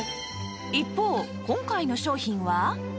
一方今回の商品は？